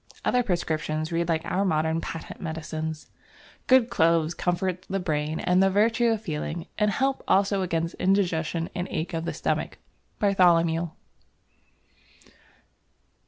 Other prescriptions read like our modern patent medicines. "Good Cloves comfort the Brain and the Virtue of Feeling, and help also against Indigestion and Ache of the Stomach" (Bartholomew).